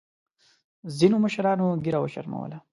ځینو مشرانو ګیره وشرمولـه.